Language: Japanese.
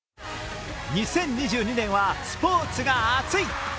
２０２２年はスポーツが熱い！